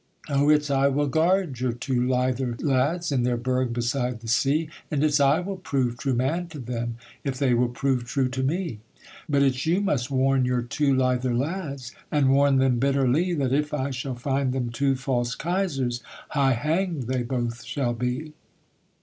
'Oh, it's I will guard your two lither lads, In their burgh beside the sea, And it's I will prove true man to them If they will prove true to me. 'But it's you must warn your two lither lads, And warn them bitterly, That if I shall find them two false Kaisers, High hanged they both shall be.'